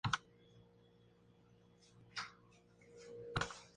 Fue ministro del Imperio, ministro de Justicia y ministro de Asuntos Extranjeros.